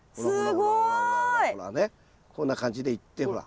すごい！こんな感じでいってほら。